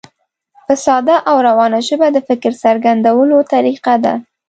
په ساده او روانه ژبه د فکر څرګندولو طریقه ده.